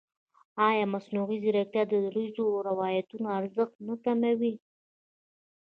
ایا مصنوعي ځیرکتیا د دودیزو روایتونو ارزښت نه کموي؟